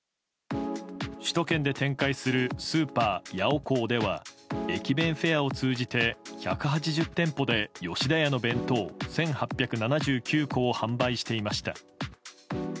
首都圏で展開するスーパー、ヤオコーでは駅弁フェアを通じて１８０店舗で吉田屋の弁当１８７９個を販売していました。